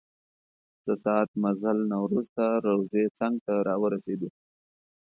څه ساعت مزل نه وروسته روضې څنګ ته راورسیدو.